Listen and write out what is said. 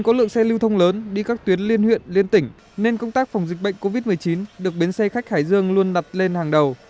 có lượng xe lưu thông lớn đi các tuyến liên huyện liên tỉnh nên công tác phòng dịch bệnh covid một mươi chín được bến xe khách hải dương luôn đặt lên hàng đầu